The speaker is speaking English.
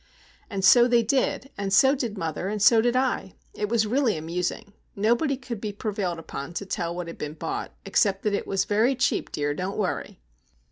And so they did, and so did mother, and so did I! It was really amusing. Nobody could be prevailed upon to tell what had been bought, except that "it was very cheap, dear. Don't worry!"